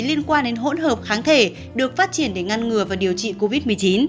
liên quan đến hỗn hợp kháng thể được phát triển để ngăn ngừa và điều trị covid một mươi chín